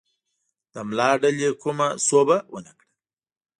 د ملا ډلې کومه سوبه ونه کړه.